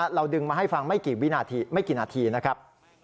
เราดึงมาให้ฟังไม่กี่นาทีนะครับ